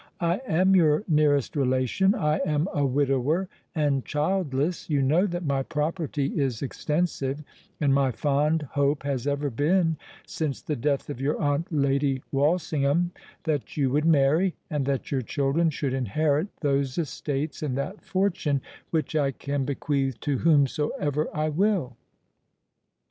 I am your nearest relation—I am a widower, and childless: you know that my property is extensive—and my fond hope has ever been, since the death of your aunt Lady Walsingham, that you would marry, and that your children should inherit those estates and that fortune which I can bequeath to whomsoever I will.